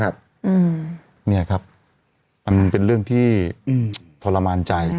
นี่ครับมันเป็นเรื่องที่ทรมานใจ